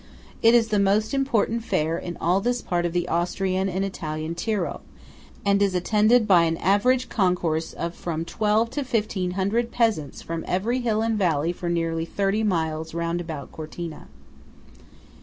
It is the most important fair in all this part of the Austrian and Italian Tyrol, and is attended by an average concourse of from twelve to fifteen hundred peasants from every hill and valley for nearly thirty miles round about Cortina.